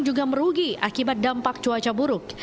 juga merugi akibat dampak cuaca buruk